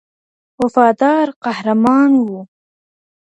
وفادار قهرمان و